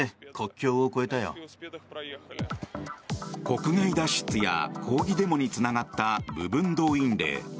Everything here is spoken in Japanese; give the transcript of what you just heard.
国外脱出や抗議デモにつながった部分動員令。